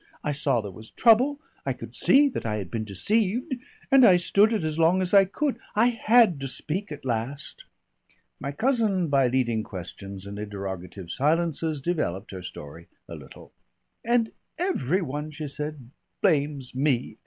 I saw there was trouble. I could see that I had been deceived, and I stood it as long as I could. I had to speak at last." My cousin by leading questions and interrogative silences developed her story a little. "And every one," she said, "blames me.